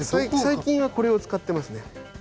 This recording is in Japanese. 最近はこれを使ってますね。